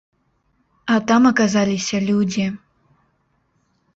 А там аказаліся людзі.